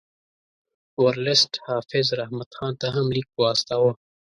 ورلسټ حافظ رحمت خان ته هم لیک واستاوه.